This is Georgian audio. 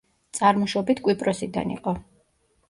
წარმოშობით კვიპროსიდან იყო.